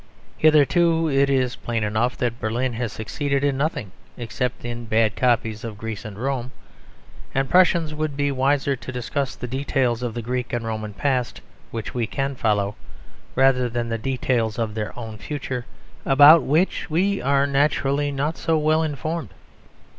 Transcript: Hitherto it is plain enough that Berlin has succeeded in nothing except in bad copies of Greece and Rome; and Prussians would be wiser to discuss the details of the Greek and Roman past, which we can follow, rather than the details of their own future, about which we are naturally not so well informed.